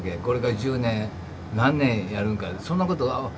これから１０年何年やるんかそんなこと。